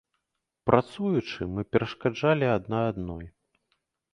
Працуючы, мы перашкаджалі адна адной.